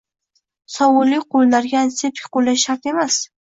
Sovunli qo'llarga antiseptik qo'llash shart emas;